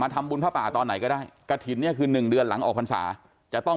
ทำบุญผ้าป่าตอนไหนก็ได้กระถิ่นเนี่ยคือ๑เดือนหลังออกพรรษาจะต้อง